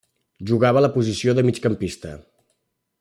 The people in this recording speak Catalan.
Jugava a la posició de migcampista.